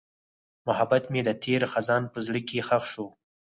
محبت مې د تېر خزان په زړه کې ښخ شو.